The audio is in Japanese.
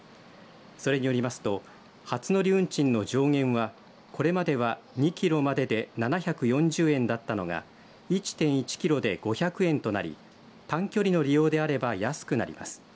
それによりますと初乗り運賃の上限はこれまでは２キロまでで７４０円だったのが１．１キロで５００円となり短距離の利用であれば安くなります。